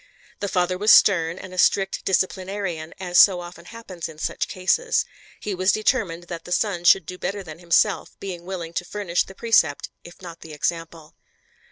The father was stern, and a strict disciplinarian, as so often happens in such cases. He was determined that the son should do better than himself, being willing to furnish the precept, if not the example.